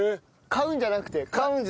買うんじゃなくて。